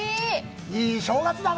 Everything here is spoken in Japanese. いい正月だな。